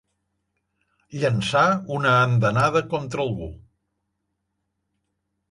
Llançar una andanada contra algú.